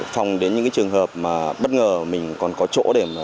phòng đến những trường hợp mà bất ngờ mình còn có chỗ để